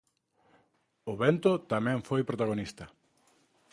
O vento tamén foi protagonista.